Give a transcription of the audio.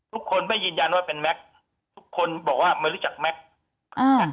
ทุกคนไม่ยืนยันว่าเป็นแม็กซ์ทุกคนบอกว่าไม่รู้จักแม็กซ์อ่า